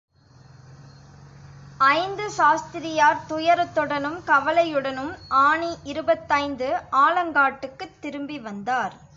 ஐந்து சாஸ்திரியார் துயரத்துடனும், கவலையுடனும் ஆனி இருபத்தைந்து ஆலங்காட்டுக்குத் திரும்பி வந்தார்.